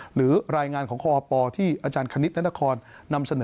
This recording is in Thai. หรือรายงานของคอปที่อคณิชน์รัฐคล